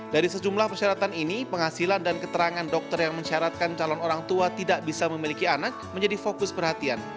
dari sejumlah persyaratan ini penghasilan dan keterangan dokter yang mensyaratkan calon orang tua tidak bisa memiliki anak menjadi fokus perhatian